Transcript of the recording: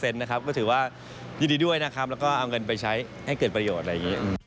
แล้วก็เอาเงินไปใช้ให้เกิดประโยชน์